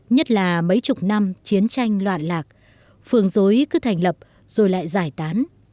nhất là mấy chục năm chiến tranh loạn lạc phường dối cứ thành lập rồi lại giải tán